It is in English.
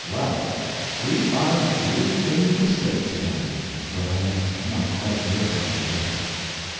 Well, we are really in "the States" again, but I cannot quite realize it yet.